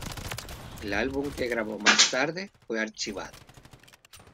El álbum que grabo más tarde fue archivado.